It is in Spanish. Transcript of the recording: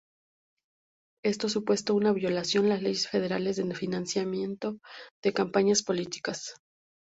Esto supuso una violación de las leyes federales de financiamiento de campañas políticas.